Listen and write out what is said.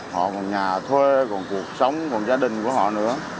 họ còn nhà thuê còn cuộc sống còn gia đình của họ nữa